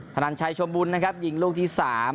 นันชัยชมบุญนะครับยิงลูกที่๓